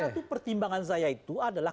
satu pertimbangan saya itu adalah